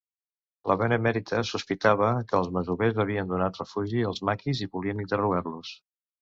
La benemèrita sospitava que els masovers havien donat refugi als maquis i volien interrogar-los.